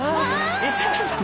石原さんだ！